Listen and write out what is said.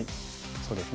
そうですね。